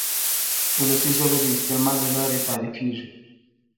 وولسي ژبه د استعمال له لارې تعریفېږي.